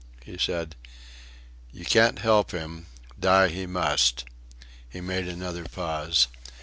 He said: "You can't help him; die he must." He made another pause.